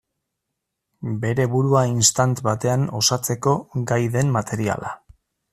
Bere burua istant batean osatzeko gai den materiala.